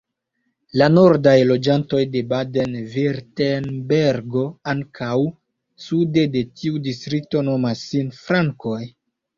La nordaj loĝantoj de Baden-Virtembergo ankaŭ sude de tiu distrikto nomas sin Frankoj.